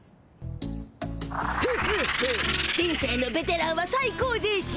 フフフ人生のベテランは最高でしょ。